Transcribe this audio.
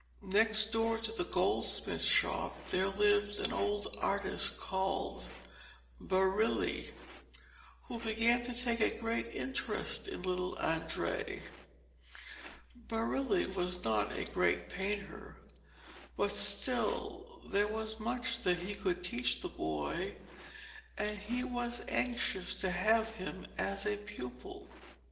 Next door to the goldsmith's shop there lived an old artist called Barile, who began to take a great interest in little Andrea. Barile was not a great painter, but still there was much that he could teach the boy, and he was anxious to have him as a pupil.